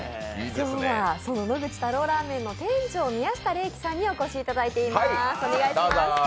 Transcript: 今日は野口太郎ラーメンの店長、宮下怜輝さんにお越しいただいています。